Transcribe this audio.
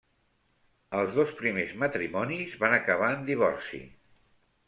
Els dos primers matrimonis van acabar en divorci.